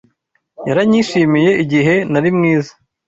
yaranyishimiye igihe nari mwiza.